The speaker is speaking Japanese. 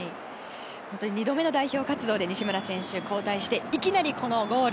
２度目の代表活動で西村選手は交代して、いきなりこのゴール。